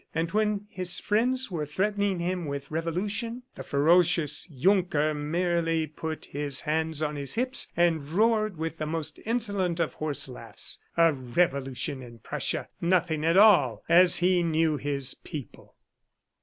And when his friends were threatening him with revolution, the ferocious Junker, merely put his hands on his hips and roared with the most insolent of horse laughs. A revolution in Prussia! ... Nothing at all, as he knew his people!"